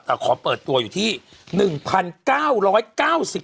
แต่ขอเปิดตัวอยู่ที่๑๙๙บาท